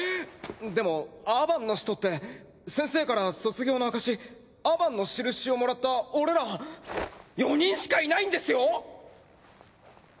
でもアバンの使徒って先生から卒業の証しアバンのしるしをもらった俺ら４人しかいないんですよ！